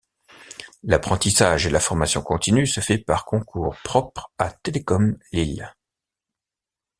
L'apprentissage et la formation continue se fait par concours propre à Télécom Lille.